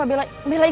pantes aja kak fanny